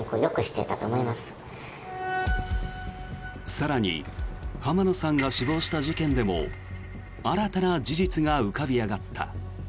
更に浜野さんが死亡した事件でも新たな事実が浮かび上がった。